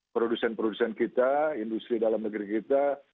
produsen produsen kita industri dalam negeri kita